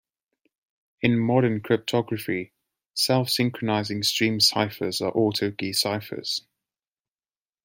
In modern cryptography, self-synchronizing stream ciphers are autokey ciphers.